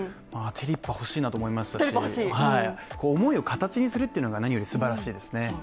テリッパ、欲しいなと思いましたし思いを形にするっていうのが何よりすばらしいですよね。